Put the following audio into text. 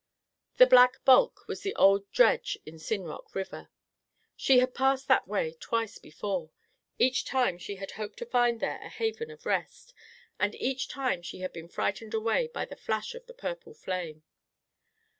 The black bulk was the old dredge in Sinrock River. She had passed that way twice before. Each time she had hoped to find there a haven of rest, and each time she had been frightened away by the flash of the purple flame.